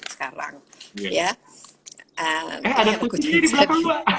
sekarang ya ada kecil kecilan